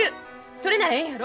それならええんやろ？